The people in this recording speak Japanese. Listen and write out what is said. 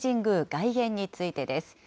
外苑についてです。